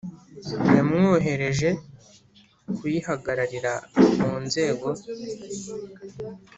Yamwohereje kuyihagararira mu nzego